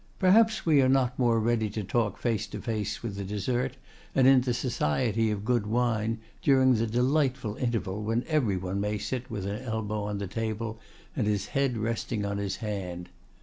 Perhaps we are not more ready to talk face to face with the dessert and in the society of good wine, during the delightful interval when every one may sit with an elbow on the table and his head resting on his hand.